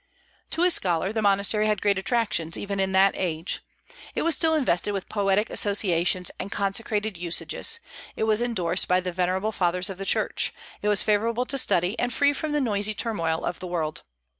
To a scholar the monastery had great attractions, even in that age. It was still invested with poetic associations and consecrated usages; it was indorsed by the venerable Fathers of the Church; it was favorable to study, and free from the noisy turmoil of the world.